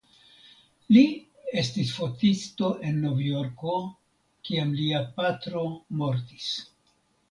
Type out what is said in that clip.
Li estis fotisto en Novjorko kiam lia patro mortis.